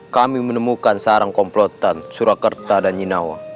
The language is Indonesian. kami menemukan sarang komplotan surakerta dan nyinawa